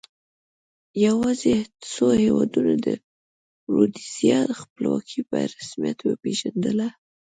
یوازې څو هېوادونو د رودزیا خپلواکي په رسمیت وپېژندله.